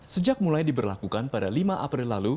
sejak mulai diberlakukan pada lima april lalu